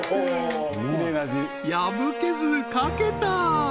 破けず書けた！